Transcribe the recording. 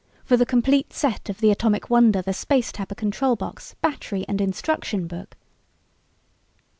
"For the complete set of the Atomic Wonder, the Space Tapper control box, battery and instruction book